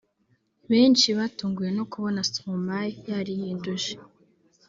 Benshi batunguwe no kubona Stromae yarihinduje